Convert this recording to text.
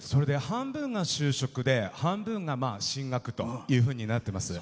半分が就職で半分が進学というふうになっています。